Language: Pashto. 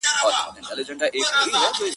خو وجدان يې نه پرېږدي تل,